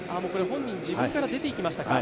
本人、自分から出ていきましたか。